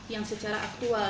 yang secara aktual